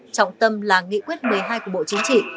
trọng tâm là nghị quyết một mươi hai của bộ chính trị